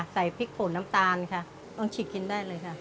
ใส่พริกผลน้ำตาลค่ะต้องฉีกกินได้เลยค่ะ